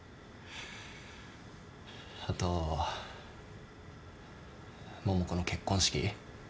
あと桃子の結婚式。